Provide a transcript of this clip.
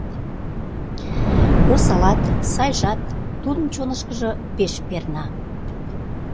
Осалат, сайжат тудын чонышкыжо пеш перна.